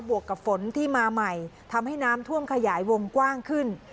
วกกับฝนที่มาใหม่ทำให้น้ำท่วมขยายวงกว้างขึ้น